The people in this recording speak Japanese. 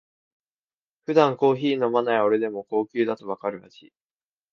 普段コーヒー飲まない俺でも高級だとわかる味